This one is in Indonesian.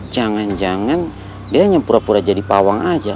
jangan jangan dia hanya pura pura jadi pawang aja